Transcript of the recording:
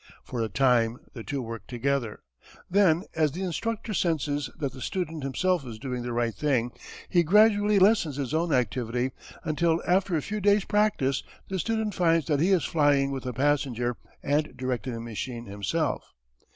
For a time the two work together. Then as the instructor senses that the student himself is doing the right thing he gradually lessens his own activity, until after a few days' practice the student finds that he is flying with a passenger and directing the machine himself.